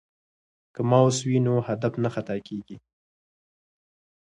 که ماوس وي نو هدف نه خطا کیږي.